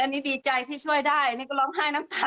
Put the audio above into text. อันนี้ดีใจที่ช่วยได้นี่ก็ร้องไห้น้ำตา